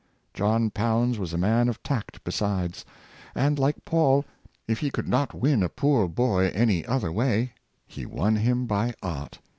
John Pounds was a man of tact besides; and, like Paul, if he could not win a poor boy any other way, he won him by art.